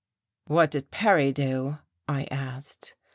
"What did Perry do?" I asked.